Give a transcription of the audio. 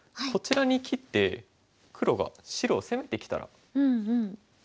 こちらに切って黒が白を攻めてきたら。